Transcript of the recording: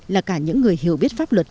là cả những người hiểu biết pháp luật